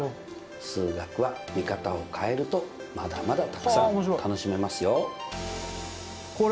数学は見方を変えるとまだまだたくさん楽しめますよ！